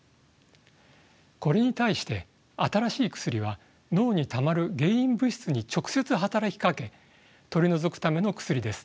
これに対して新しい薬は脳にたまる原因物質に直接働きかけ取り除くための薬です。